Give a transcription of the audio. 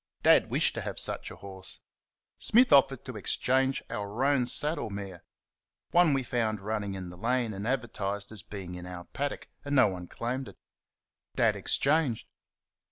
Dad wished to have such a horse. Smith offered to exchange for our roan saddle mare one we found running in the lane, and advertised as being in our paddock, and no one claimed it. Dad exchanged.